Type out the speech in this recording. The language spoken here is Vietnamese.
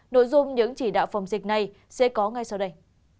nội dung những chỉ đạo phòng dịch này sẽ có ngay sau đây